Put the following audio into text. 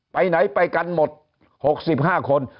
ไปไหนไปกันหมด๖๕คน